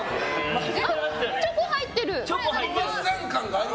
チョコ入ってる！